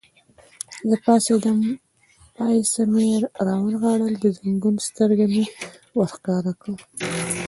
زه پاڅېدم، پایڅه مې را ونغاړل، د زنګون سترګه مې ور ښکاره کړل.